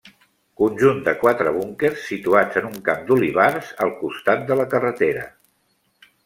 Conjunt de quatre búnquers situats en un camp d'olivars, al costat de la carretera.